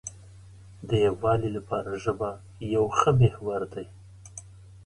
د یووالي لپاره ژبه یو ښه محور دی.